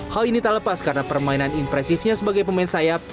hal ini tak lepas karena permainan impresifnya sebagai pemain sayap